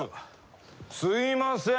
すいません！